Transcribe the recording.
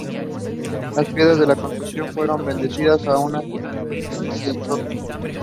Las piedras de la construcción fueron bendecidas, una a una, mediante el soplo.